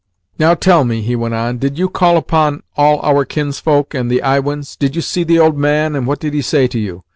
"Now, tell me," he went on, "did you call upon all our kinsfolk and the Iwins? Did you see the old man, and what did he say to you?